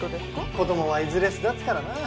子どもはいずれ巣立つからな。